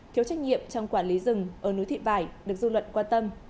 thiếu trách nhiệm trong quản lý rừng ở núi thị vải được du luận qua tâm